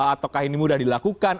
ataukah ini mudah dilakukan